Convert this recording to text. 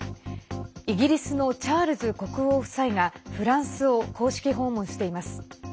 イギリスのチャールズ国王夫妻がフランスを公式訪問しています。